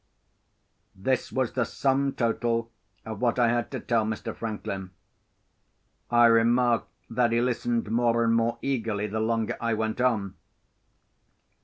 This was the sum total of what I had to tell Mr. Franklin. I remarked that he listened more and more eagerly the longer I went on.